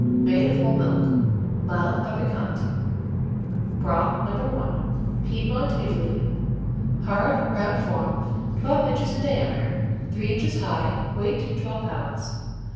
Made of whole milk. Mild but piquant. Bra No. I Piedmont, Italy Hard, round form, twelve inches in diameter, three inches high, weight twelve pounds.